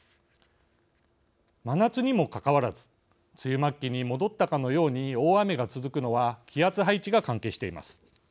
真夏にもかかわらず梅雨末期に戻ったかのように大雨が続くのは気圧配置が関係しています。